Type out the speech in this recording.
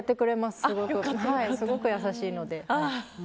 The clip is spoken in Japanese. すごく優しいので。